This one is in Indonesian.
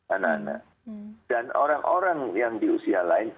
anak anak dan orang orang yang di usia lain